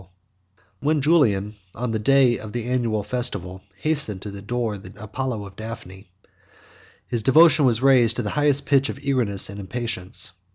] When Julian, on the day of the annual festival, hastened to adore the Apollo of Daphne, his devotion was raised to the highest pitch of eagerness and impatience.